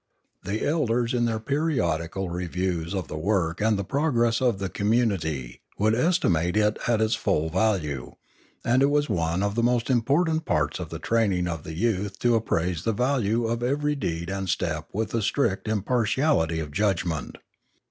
The elders in their periodical reviews of the work and the progress of the community would estimate it at its full value, and it was one of the most important parts of the training of the youth to appraise the value of every deed and step with a strict impartiality of judgment.